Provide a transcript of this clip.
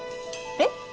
えっ？